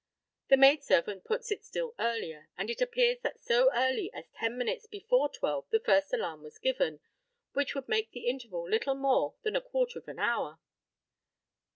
The maid servant puts it still earlier, and it appears that so early as ten minutes before twelve the first alarm was given, which would make the interval little more than a quarter of an hour.